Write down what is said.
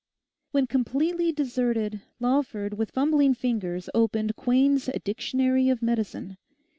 When completely deserted, Lawford with fumbling fingers opened Quain's 'Dictionary of Medicine.